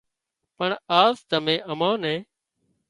پڻ آز تمين امان نين